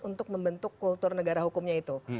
untuk membentuk kultur negara hukumnya itu